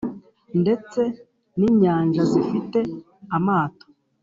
ndetse n’inyanja zifite amato